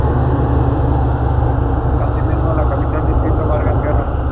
Es el final del modo en el que tradicionalmente recibimos la información.